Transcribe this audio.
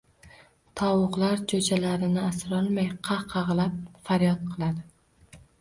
Tovuqlar jo‘jalarini asrolmay, qaqag‘lab faryod qiladi